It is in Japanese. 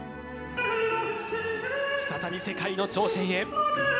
再び世界の頂点へ。